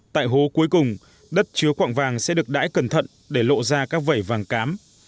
tại hố cuối cùng đất chứa quạng vàng sẽ được đãi cẩn thận để lộ ra các vẩy vàng cám